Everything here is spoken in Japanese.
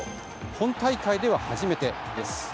本大会で初めてです。